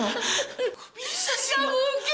mama sudah meninggal